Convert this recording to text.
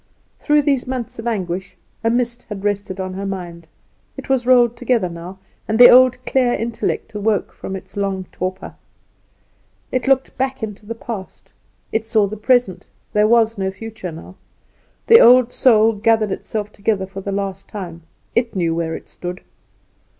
Through these months of anguish a mist had rested on her mind; it was rolled together now, and the old clear intellect awoke from its long torpor. It looked back into the past, it saw the present; there was no future now. The old strong soul gathered itself together for the last time; it knew where it stood.